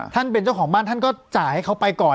เป็นเจ้าของบ้านท่านก็จ่ายให้เขาไปก่อน